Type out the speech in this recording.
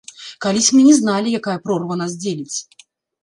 Калісь мы не зналі, якая прорва нас дзеліць.